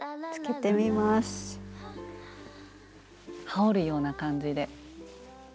羽織るような感じで。